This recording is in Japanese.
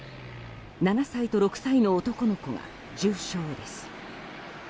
７歳と６歳の男の子は重傷です。